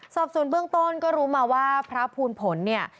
สอบส่วนเบื้องต้นก็รู้มาว่าพระภูลผลเนี่ย